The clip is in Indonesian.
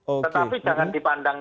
oke tetapi jangan dipandang